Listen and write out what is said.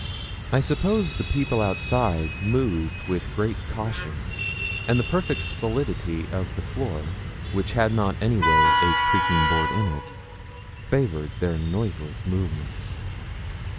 I suppose the people outside moved with great caution; and the perfect solidity of the floor, which had not anywhere a creaking board in it, favoured their noiseless movements.